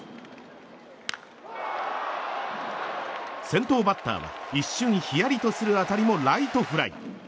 先頭バッターは一瞬ひやりとする当たりもライトフライ。